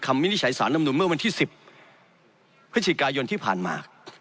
วินิจฉัยสารลำนุนเมื่อวันที่๑๐พฤศจิกายนที่ผ่านมา